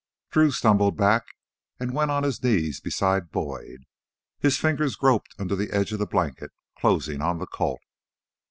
Drew stumbled back and went on his knees beside Boyd. His fingers groped under the edge of the blanket, closing on the Colt.